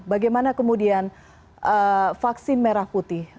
bagaimana kemudian vaksin merah putih